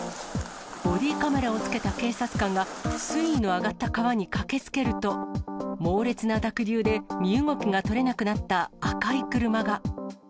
ボディーカメラをつけた警察官が、水位の上がった川に駆けつけると、猛烈な濁流で身動きが取れなくなった赤い車が。